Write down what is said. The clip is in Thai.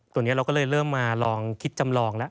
ตัวนี้เราก็เลยเริ่มมาลองคิดจำลองแล้ว